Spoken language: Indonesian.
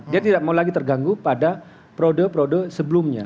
dia tidak mau lagi terganggu pada perode perode sebelumnya